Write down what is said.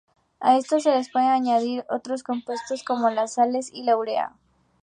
A estos se les pueden añadir otros compuestos como las sales y la urea.